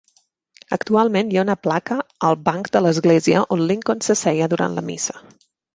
Actualment hi ha una placa al banc de l'església on Lincoln s'asseia durant la missa.